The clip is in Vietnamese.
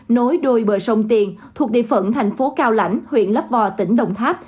nối đôi bờ sông tiền thuộc địa phận thành phố cao lãnh huyện lấp vò tỉnh đồng tháp